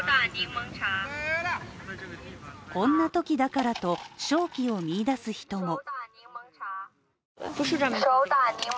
こんなときだからと商機を見いだす人も。